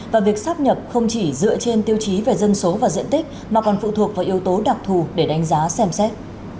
và việc sắp nhập không chỉ dựa trên tiêu chí về dân số và diện tích mà còn phụ thuộc vào yếu tố đặc thù để đánh giá xem xét